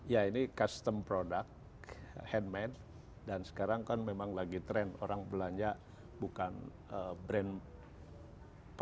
ya ini custom product handmade dan sekarang kan memang lagi trend orang belanja bukan brand produk